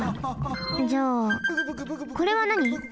じゃあこれはなに？